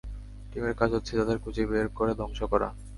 টিমের কাজ হচ্ছে তাদের খুঁজে বের করে ধ্বংস করা।